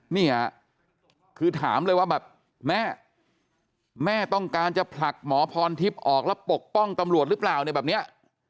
นี่คือถามเลยว่าแบบแม่แม่ต้องการจะผลักหมอพรทิพย์ออกแล้วปกป้องตำรวจหรือเปล่าเนี่ยแบบเนี้ย